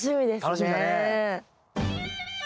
楽しみだね。